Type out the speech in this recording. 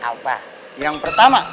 apa yang pertama